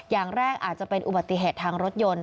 อย่างแรกอาจจะเป็นอุบัติเหตุทางรถยนต์